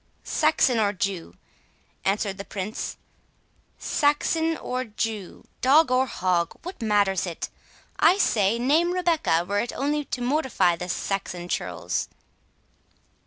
"Saxon or Jew," answered the Prince, "Saxon or Jew, dog or hog, what matters it? I say, name Rebecca, were it only to mortify the Saxon churls."